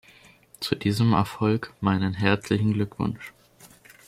Zu diesem Erfolg meinen herzlichen Glückwunsch.